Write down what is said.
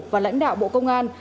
và lãnh đạo bộ công an